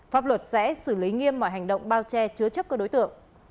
pháp luật sẽ xử lý nghiêm mọi hành động bao che chứa chấp các đối tượng